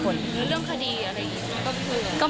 หรือเรื่องคดีอะไรอีกก็คือ